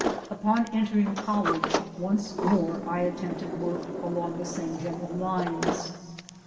Upon entering college, once more I attempted work along the same general lines.